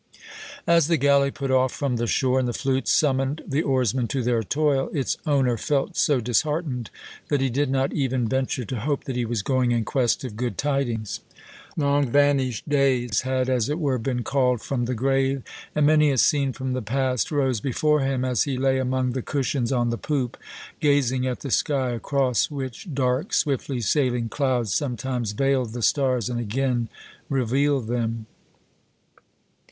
As the galley put off from the shore, and the flutes summoned the oarsmen to their toil, its owner felt so disheartened that he did not even venture to hope that he was going in quest of good tidings. Long vanished days had, as it were, been called from the grave, and many a scene from the past rose before him as he lay among the cushions on the poop, gazing at the sky, across which dark, swiftly sailing clouds sometimes veiled the stars and again revealed them.